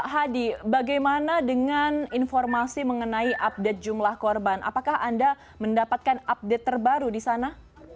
hadi bagaimana dengan informasi mengenai update jumlah korban apakah anda mendapatkan update terbaru di sana